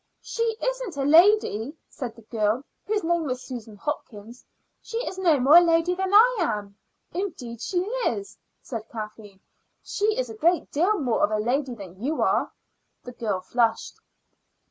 "She isn't a lady," said the girl, whose name was Susan Hopkins. "She is no more a lady than I am." "Indeed she is," said Kathleen. "She is a great deal more of a lady than you are." The girl flushed.